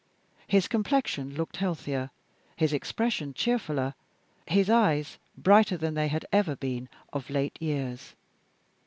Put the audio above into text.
His complexion looked healthier, his expression cheerfuller, his eyes brighter than they had ever been of late years.